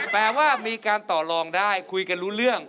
แต่ว่ามีการต่อลองได้คุยกันรู้เรื่อง